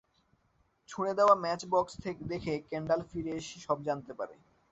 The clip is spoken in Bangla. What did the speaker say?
ছুড়ে দেয়া ম্যাচ বাক্স দেখে কেন্ডাল ফিরে এসে সব জানতে পারে।